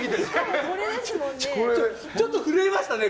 ちょっと震えましたね。